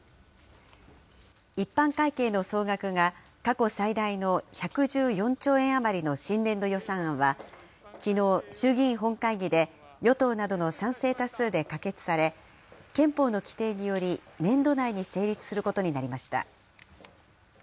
一般会計の総額が、過去最大の１１４兆円余りの新年度予算案は、きのう、衆議院本会議で、与党などの賛成多数で可決され、憲法の規定により、年度内に成立することになりました。